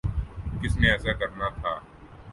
کس نے ایسا کرنا تھا؟